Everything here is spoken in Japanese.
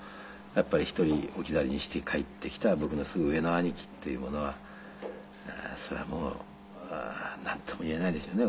やっぱり１人置き去りにして帰ってきた僕のすぐ上の兄貴っていうものはそりゃもうなんとも言えないでしょうね。